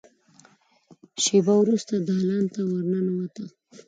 شېبه وروسته دالان ته ور ننوته.